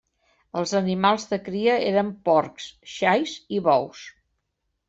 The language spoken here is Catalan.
Els animals de cria eren porcs, xais i bous.